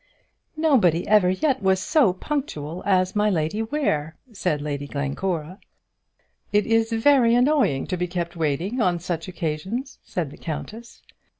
"Nobody ever yet was so punctual as my Lady Ware," said Lady Glencora. "It is very annoying to be kept waiting on such occasions," said the countess.